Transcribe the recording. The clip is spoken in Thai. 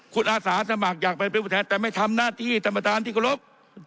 คุณอาสาสมัครอยากไปเป็นผู้แทนแต่ไม่ทำหน้าที่ท่านประธานที่เคารพ